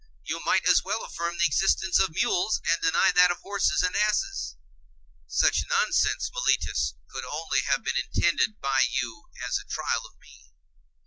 You might as well affirm the existence of mules, and deny that of horses and asses. Such nonsense, Meletus, could only have been intended by you as a trial of me.